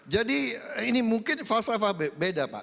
jadi ini mungkin falsafah beda pak